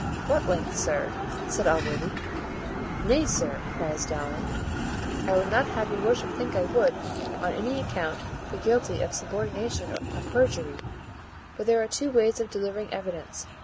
"What lengths, sir?" said Allworthy. "Nay, sir," cries Dowling, "I would not have your worship think I would, on any account, be guilty of subornation of perjury; but there are two ways of delivering evidence.